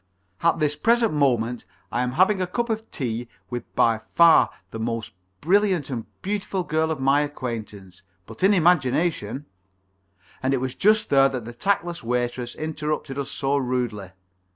At this present moment I am having a cup of tea with by far the most brilliant and beautiful girl of my acquaintance, but in imagination " And it was just there that the tactless waitress interrupted us so rudely.